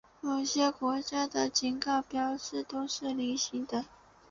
某些国家的警告标志是菱形的。